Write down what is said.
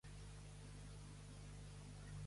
Què comenta Marc Drogin sobre la criatura?